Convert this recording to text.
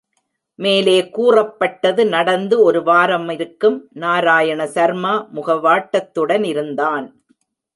மேலே கூறப்பட்டது நடந்து ஒரு வாரமிருக்கும், நாராயண சர்மா முகவாட்டத்துடனிருந்தான்.